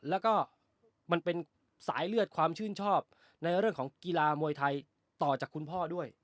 แล้วก็มันเป็นสายเลือดความชื่นชอบในเรื่องของกีฬามวยไทยต่อจากคุณพ่อด้วย